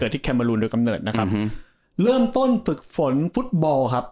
ที่แคมเมอรูนโดยกำเนิดนะครับเริ่มต้นฝึกฝนฟุตบอลครับ